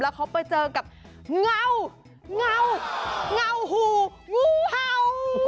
แล้วเค้าไปเจอกับเงาหูงูเภา